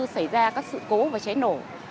xảy ra các sự cố và cháy nổ